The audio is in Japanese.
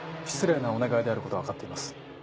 失礼なお願いであることは分かっています。